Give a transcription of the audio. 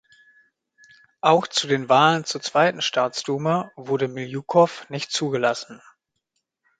Auch zu den Wahlen zur zweiten Staatsduma wurde Miljukow nicht zugelassen.